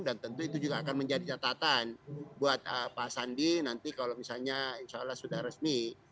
dan tentu itu juga akan menjadi catatan buat pak sandi nanti kalau misalnya insya allah sudah resmi